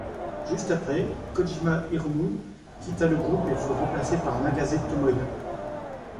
Juste après, Kojima Hiromu, quitta le groupe et fut remplacé par Nagase Tomoya.